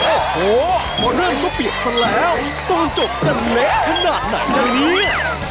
โอ้โหพอเริ่มก็เปียกซะแล้วตอนจบจะเละขนาดไหนล่ะเนี่ย